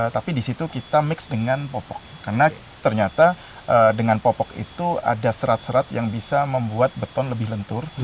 tapi di situ kita mix dengan popok karena ternyata dengan popok itu ada serat serat yang bisa membuat beton lebih lentur